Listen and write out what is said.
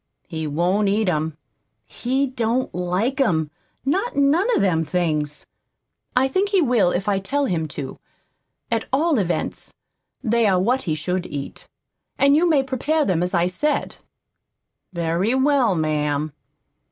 "He won't eat 'em. He don't like 'em not none of them things." "I think he will if I tell him to. At all events, they are what he should eat, and you may prepare them as I said." "Very well, ma'am."